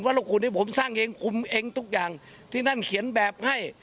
ลงขุนที่ผมสร้างเองคุมเองทุกอย่างที่นั่นเขียนแบบให้